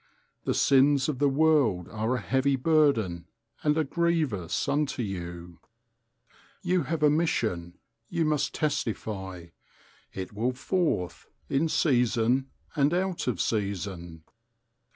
The sins of the world are a heavy burden and a grievous unto you. You have a mission, you must testify; it will forth, in season and out of season.